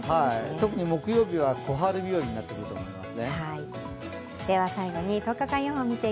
特に木曜日は小春日和になってくると思います。